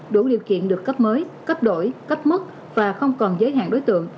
đủ điều kiện được cấp mới cấp đổi cấp mức và không còn giới hạn đối tượng